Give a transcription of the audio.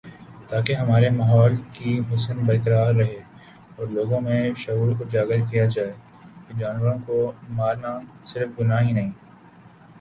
تاکہ ہمارے ماحول کی حسن برقرار رہے اور لوگوں میں شعور اجاگر کیا جائے کہ جانوروں کو مار نا صرف گناہ ہی نہیں